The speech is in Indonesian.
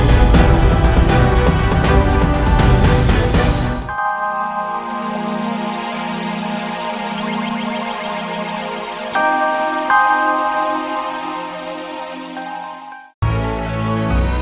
sampai jumpa di video selanjutnya